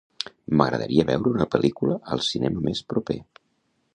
M'agradaria veure una pel·lícula al cinema més proper.